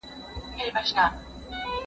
شرقي او غربي ټولنې خپلې ځانګړتیاوې لري.